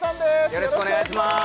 よろしくお願いします